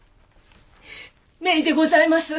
姪でございます。